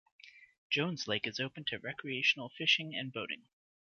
Jones Lake is open to recreational fishing and boating.